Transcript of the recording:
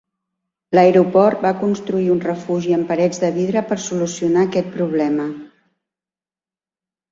L'aeroport va construir un refugi amb parets de vidre per solucionar aquest problema.